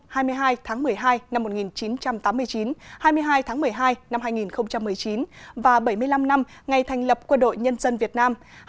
kỷ niệm ba mươi năm ngày hội quốc phòng toàn dân và bảy mươi năm năm ngày thành lập quân đội nhân dân việt nam